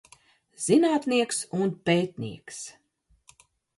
Zin?tnieks un p?tnieks.